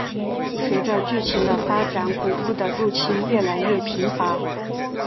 随着剧情的发展古物的入侵越来越频繁。